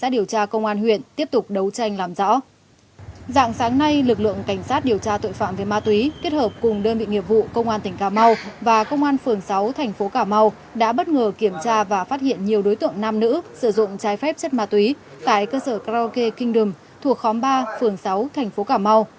dạng sáng nay lực lượng cảnh sát điều tra tội phạm về ma túy kết hợp cùng đơn vị nghiệp vụ công an tỉnh cà mau và công an phường sáu thành phố cà mau đã bất ngờ kiểm tra và phát hiện nhiều đối tượng nam nữ sử dụng trái phép chất ma túy tại cơ sở karaoke king đường thuộc khóm ba phường sáu thành phố cà mau